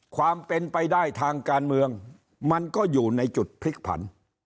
ความเป็นไปได้ทางการเมืองมันก็อยู่ในจุดพลิกผัน